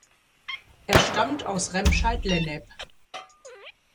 Er stammt aus Remscheid-Lennep.